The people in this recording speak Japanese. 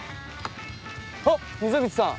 あっ溝口さん！